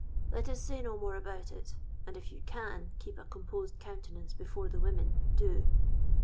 Let us say no more about it; and if you can keep a composed countenance before the women, do.'